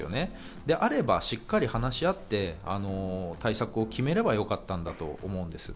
であれば、しっかり話し合って、対策を決めればよかったんだと思うんです。